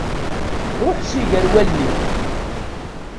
Ruḥ si ger wallen-iw!